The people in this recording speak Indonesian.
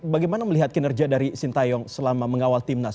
bagaimana melihat kinerja dari sintayong selama mengawal timnas